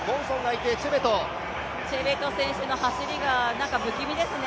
チェベト選手の走りがなんか不気味ですね。